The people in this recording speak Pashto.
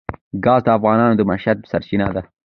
ګاز د افغانانو د معیشت سرچینه ده.